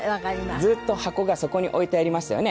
ずっと箱がそこに置いてありましたよね？